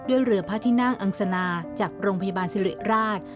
ด้วยเหลือพระทินั่งอังษณาจากโรงพยาบาลศิริริราช